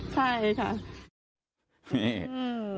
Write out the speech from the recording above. ใช่ค่ะ